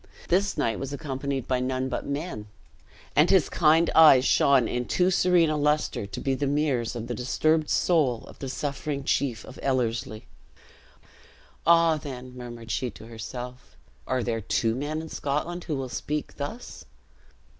This knight was accompanied by none but men; and his kind eyes shone in too serene a luster to be the mirrors of the disturbed soul of the suffering chief of Ellerslie. "Ah! then," murmured she to herself, "are there two men in Scotland who will speak thus?"